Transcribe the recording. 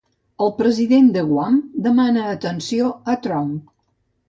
El president de Guam demana atenció a Trump.